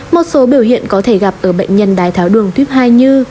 một số biểu hiện có thể gặp ở bệnh nhân đái tháo đường tuyếp hai như